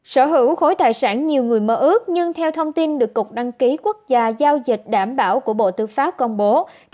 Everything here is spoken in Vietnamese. sở hữu khối tài sản nhiều người mơ ước nhưng theo thông tin được cục đăng ký quốc gia giao dịch đảm bảo của bộ tư pháp công bố